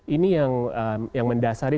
ini yang mendasari